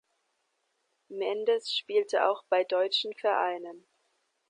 Mendes spielte auch bei deutschen Vereinen.